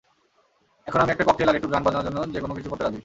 এখন আমি একটা ককটেল আর একটু গান বাজনার জন্য যে কোনো কিছু করতে রাজি।